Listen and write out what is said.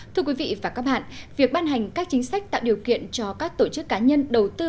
thưa quý vị và các bạn việc ban hành các chính sách tạo điều kiện cho các tổ chức cá nhân đầu tư